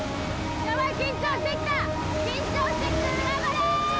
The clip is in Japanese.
ヤバい緊張してきた緊張してきた頑張れ！